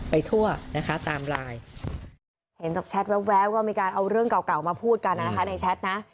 เห็นจากแชทแววก็มีการเอาเรื่องเก่ามาพูดกันนะในแชทนะ